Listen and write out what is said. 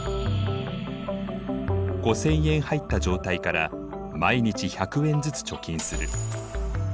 ５０００円入った状態から毎日１００円ずつ貯金する。